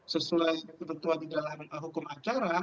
sesuai ketentuan di dalam hukum acara